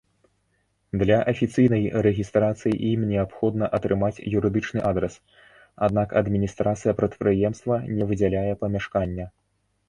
Для афіцыйнай рэгістрацыі ім неабходна атрымаць юрыдычны адрас, аднак адміністрацыя прадпрыемства не выдзяляе памяшкання.